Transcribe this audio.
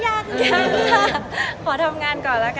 ค่ะขอทำงานก่อนละกันค่ะ